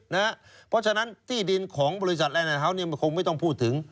เพราะฉะนั้นที่ดินของบริษัทแลนด์ฮาส์มันคงไม่ต้องพูดถึง